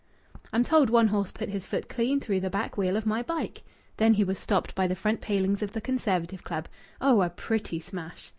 I'm told one horse put his foot clean through the back wheel of my bike. Then he was stopped by the front palings of the Conservative Club. Oh! a pretty smash!